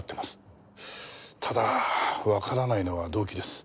ただわからないのは動機です。